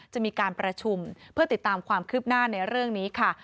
จะมีการประชุมเพื่อติดตามความคืบหน้าในเรื่องนี้ค่ะ